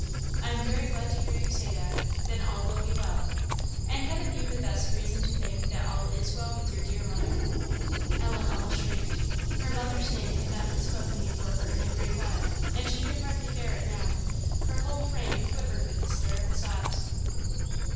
"I am very glad to hear you say that! then all will be well. And haven't you the best reason to think that all is well with your dear mother?" Ellen almost shrieked. Her mother's name had not been spoken before her in a great while, and she could hardly bear to hear it now. Her whole frame quivered with hysterical sobs.